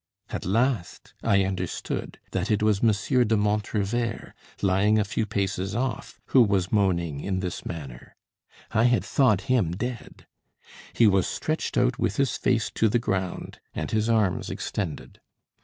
At last I understood that it was M. de Montrevert, lying a few paces off, who was moaning in this manner. I had thought him dead. He was stretched out with his face to the ground and his arms extended.